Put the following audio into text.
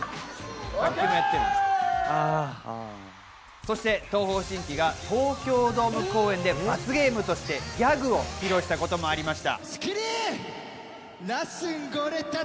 そして東方神起が東京ドーム公演で罰ゲームとしてギャグを披露したこともありました。